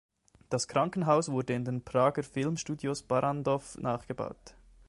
Das Krankenhaus wurde in den Prager Filmstudios Barrandov nachgebaut.